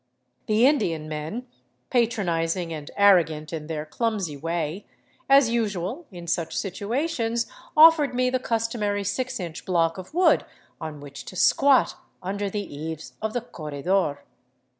The Indian men, patronizing and arrogant in their clumsy way, as usual in such situations, offered me the customary six inch block of wood on which to squat under the eaves of the " corredor."